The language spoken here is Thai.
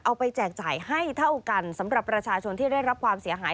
ไปแจกจ่ายให้เท่ากันสำหรับประชาชนที่ได้รับความเสียหาย